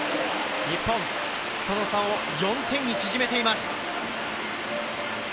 日本、その差を４点に縮めています。